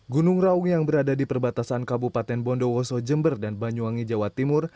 gunung raung yang berada di perbatasan kabupaten bondowoso jember dan banyuwangi jawa timur